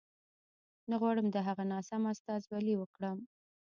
نه غواړم د هغه ناسمه استازولي وکړم.